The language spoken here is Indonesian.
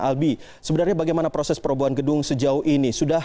albi sebenarnya bagaimana proses perobohan gedung sejauh ini